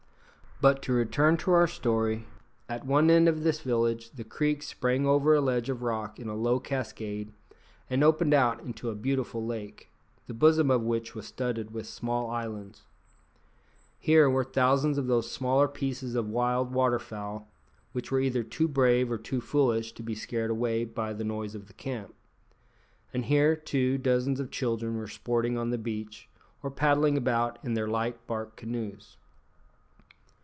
But to return to our story. At one end of this village the creek sprang over a ledge of rock in a low cascade and opened out into a beautiful lake, the bosom of which was studded with small islands. Here were thousands of those smaller species of wild water fowl which were either too brave or too foolish to be scared away by the noise of the camp. And here, too, dozens of children were sporting on the beach, or paddling about in their light bark canoes.